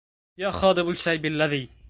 يا خاضب الشيب الذي